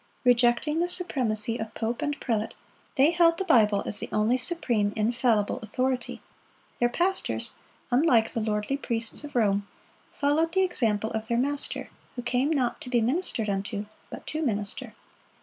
Rejecting the supremacy of pope and prelate, they held the Bible as the only supreme, infallible authority. Their pastors, unlike the lordly priests of Rome, followed the example of their Master, who "came not to be ministered unto, but to minister."